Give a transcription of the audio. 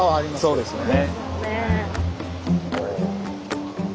そうですね。